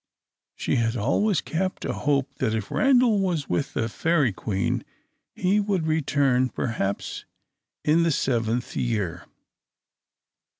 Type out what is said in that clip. She had always kept a hope that if Randal was with the Fairy Queen he would return perhaps in the seventh year.